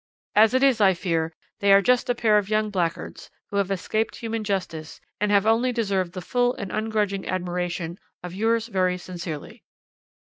"As it is, I fear, they are just a pair of young blackguards, who have escaped human justice, and have only deserved the full and ungrudging admiration of yours very sincerely."